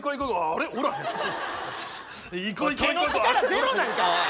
手の力ゼロなんかおい！